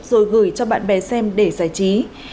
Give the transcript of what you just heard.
rồi gửi cho bạn bè xem để tìm hiểu